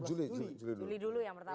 juli dulu yang pertama